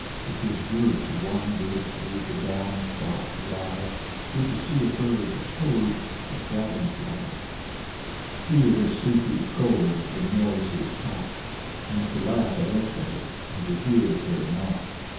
It is good to wander through the dawn shot rye, Good to see a bird, a toad, a dragon fly; Hear the sleepy crowing of the noisy cock. And to laugh at echo, and to hear her mock.